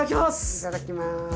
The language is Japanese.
いただきます。